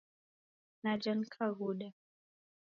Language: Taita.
Naja nikaghuda